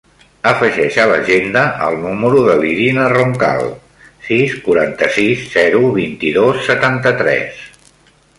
Afegeix a l'agenda el número de l'Irina Roncal: sis, quaranta-sis, zero, vint-i-dos, setanta-tres.